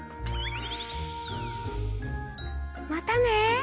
またね。